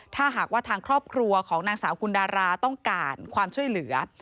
ถ้าหากว่าทางครอบครัวของนางสาวกุลดาราต้องการความช่วยเหลือ